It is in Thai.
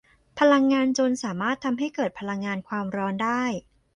พลังงานจลน์สามารถทำให้เกิดพลังงานความร้อนได้